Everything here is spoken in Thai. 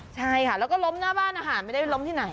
ใช่ค่ะแล้วก็ล้มหน้าบ้านอาหารไม่ได้ไปล้มที่ไหน